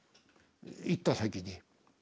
行った先で。